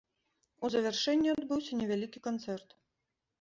У завяршэнні адбыўся невялікі канцэрт.